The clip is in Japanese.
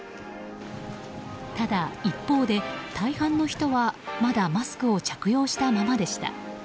ただ、一方で大半の人はまだマスクを着用したままでした。